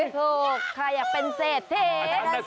ถูกใครอยากเป็นเศรษฐี